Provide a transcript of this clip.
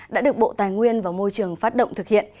đã được bộ tài nguyên và môi trường phát động thực hiện